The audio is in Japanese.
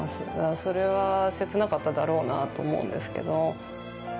それは切なかっただろうなと思うんですけど。